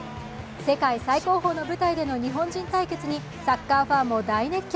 世界最高峰の舞台での日本人対決にサッカーファンも大熱狂。